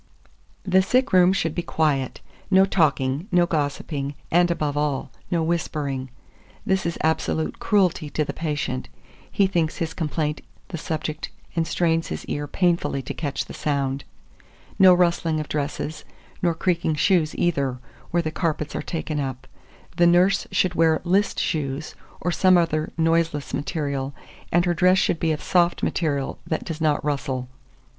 The sick room should be quiet; no talking, no gossiping, and, above all, no whispering, this is absolute cruelty to the patient; he thinks his complaint the subject, and strains his ear painfully to catch the sound. No rustling of dresses, nor creaking shoes either; where the carpets are taken up, the nurse should wear list shoes, or some other noiseless material, and her dress should be of soft material that does not rustle.